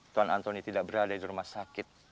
tuan antoni tidak berada di rumah sakit